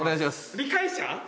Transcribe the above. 理解者？